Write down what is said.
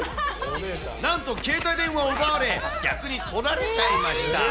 なんと携帯電話を奪われ、逆に撮られちゃいました。